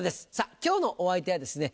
今日のお相手はですね